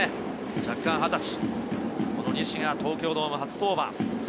弱冠２０歳、西が東京ドーム初登板。